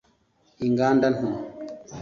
Inganda nto